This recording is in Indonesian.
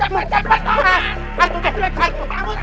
aduh jangan cepat cepat mas